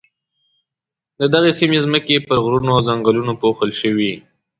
د دغې سیمې ځمکې پر غرونو او ځنګلونو پوښل شوې.